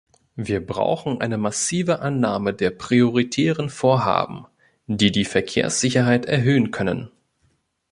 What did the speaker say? Wir brauchen eine massive Annahme der prioritären Vorhaben, die die Verkehrssicherheit erhöhen können.